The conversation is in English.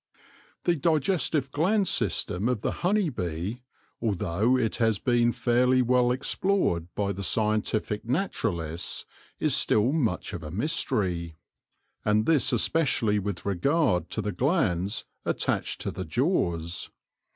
The digestive gland system of the honey bee, although it has been fairly well explored by the scientific naturalists, is still much of a mystery, and A ROMANCE OF ANATOMY 117 this especially with regard to the glands attached to the jaws.